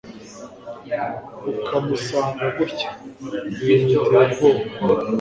ukamusanga gutya, ibintu biteye ubwoba